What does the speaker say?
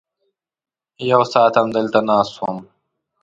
یو ساعت همدلته ناست وم.